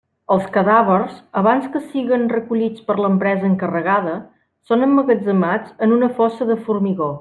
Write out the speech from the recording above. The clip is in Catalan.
Els cadàvers, abans que siguen recollits per l'empresa encarregada, són emmagatzemats en una fossa de formigó.